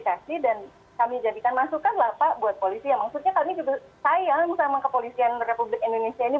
maksudnya kami juga sayang sama kepolisian republik indonesia ini